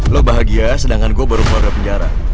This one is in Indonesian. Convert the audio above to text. lo bahagia sedangkan gue baru keluar dari penjara